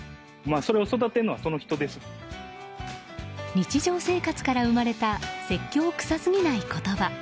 日常生活から生まれた説教臭すぎない言葉。